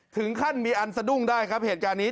ถึงขั้นมีอันสะดุ้งได้ครับเหตุการณ์นี้